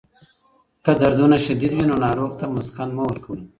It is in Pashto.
که دردونه شدید وي، نو ناروغ ته مسکن مه ورکوئ.